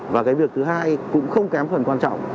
và cái việc thứ hai cũng không kém phần quan trọng